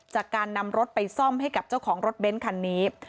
จากการนำรถไปซ่อมให้กับเจ้าของรถเบ้นคันนี้